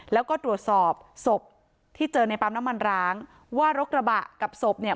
แล้วก็ตรวจสอบศพที่เจอในปั๊มน้ำมันร้างว่ารถกระบะกับศพเนี่ย